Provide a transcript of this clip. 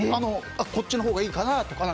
こっちのほうがいいかな？とか。